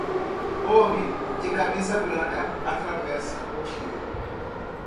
Homem de camisa branca atravessa o rio.